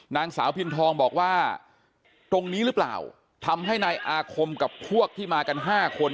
นางสาวพินทองบอกว่าตรงนี้หรือเปล่าทำให้นายอาคมกับพวกที่มากัน๕คน